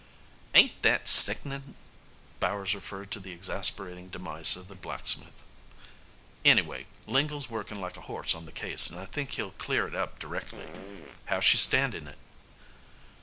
"Ain't that sick'nin'!" Bowers referred to the exasperating demise of the blacksmith. "Anyway, Lingle's workin' like a horse on the case, and I think he'll clear it up directly. How's she standin' it?"